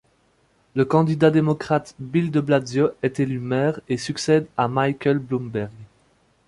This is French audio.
Le candidat démocrate Bill de Blasio est élu maire et succède à Michael Bloomberg.